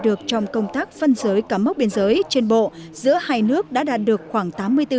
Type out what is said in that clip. được trong công tác phân giới cắm mốc biên giới trên bộ giữa hai nước đã đạt được khoảng tám mươi bốn